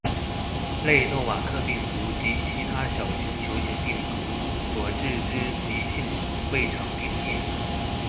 類諾瓦克病毒及其他小型球型病毒所致之急性胃腸病變